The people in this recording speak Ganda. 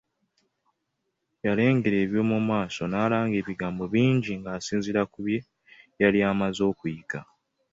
Yalengera eby'omu maaso, n'alanga ebigambo bingi ng'asinziira ku bye yali amaze okuyiga.